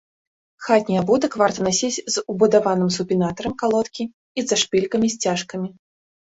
Хатні абутак варта насіць з убудаваным супінатарам калодкі і зашпількамі-сцяжкамі.